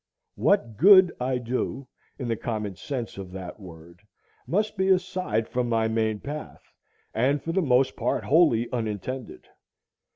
What good I do, in the common sense of that word, must be aside from my main path, and for the most part wholly unintended.